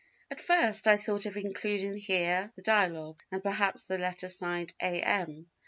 At first I thought of including here the Dialogue, and perhaps the letter signed A. M.